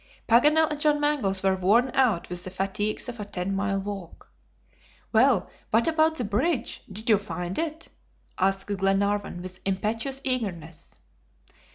Paganel and John Mangles were worn out with the fatigues of a ten mile walk. "Well, what about the bridge? Did you find it?" asked Glenarvan, with impetuous eagerness.